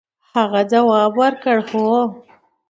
هغه ځواب ورکړ هو.